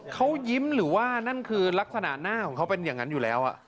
เขายิ้มหรือว่านั่นคือลักษณะหน้าของเขาเป็นอย่างนั้นอยู่แล้ว